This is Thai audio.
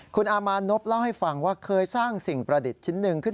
คุณอามานพเล่าให้ฟังว่าเคยสร้างสิ่งประดิษฐ์ชิ้นหนึ่งขึ้น